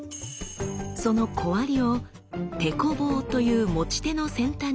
その小割りを「テコ棒」という持ち手の先端に積み重ねます。